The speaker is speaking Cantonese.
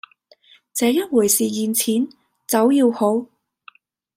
這一回是現錢，酒要好